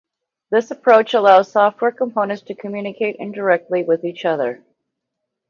This approach allows software components to communicate 'indirectly' with each other.